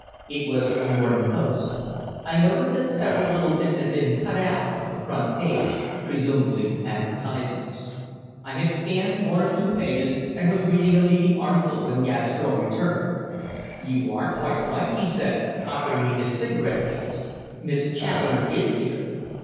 It was the Morning Post. I noticed that several little bits had been cut out of the front page presumably advertisements. I had scanned one or two pages and was reading a leading article when Gastrell returned. "You are quite right," he said, offering me his cigarette case. "Miss Challoner is here.